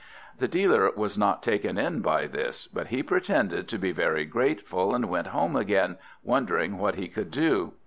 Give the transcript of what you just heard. The dealer was not taken in by this, but he pretended to be very grateful, and went home again, wondering what he could do.